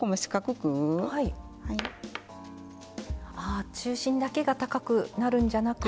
あ中心だけが高くなるんじゃなく。